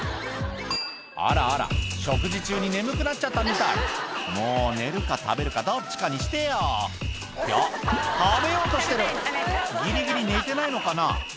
あらあら食事中に眠くなっちゃったみたいもう寝るか食べるかどっちかにしてよってあっ食べようとしてるギリギリ寝てないのかな？